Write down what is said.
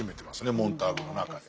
モンターグの中で。